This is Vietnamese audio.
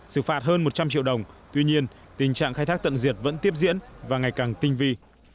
xử phạt hơn một trăm linh triệu đồng tuy nhiên tình trạng khai thác tận diệt vẫn tiếp diễn và ngày càng tinh vi